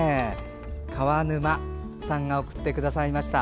川沼さんが送ってくださいました。